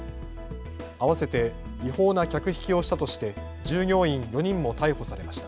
あわせて違法な客引きをしたとして従業員４人も逮捕されました。